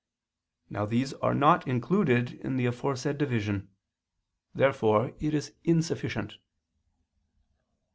Now these are not included in the aforesaid division. Therefore it is insufficient.